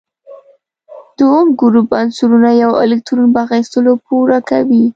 د اووم ګروپ عنصرونه یو الکترون په اخیستلو پوره کوي.